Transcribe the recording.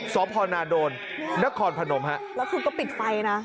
สพนาโดนนครพนมฮะแล้วคือก็ปิดไฟนะ